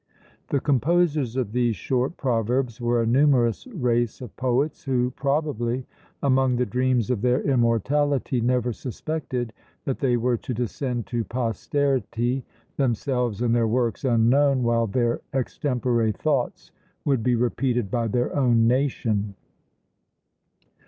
The composers of these short proverbs were a numerous race of poets, who, probably, among the dreams of their immortality never suspected that they were to descend to posterity, themselves and their works unknown, while their extempore thoughts would be repeated by their own nation.